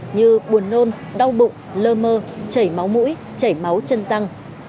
như buồn nôn đau bụng lơ mơ chảy máu mũi chảy máu chân răng